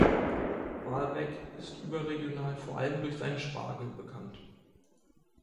Walbeck ist überregional vor allem durch seinen Spargel bekannt.